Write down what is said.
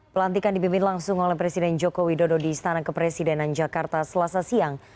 pelantikan dipimpin langsung oleh presiden joko widodo di istana kepresidenan jakarta selasa siang